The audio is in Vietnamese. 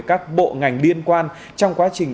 các bộ ngành liên quan trong quá trình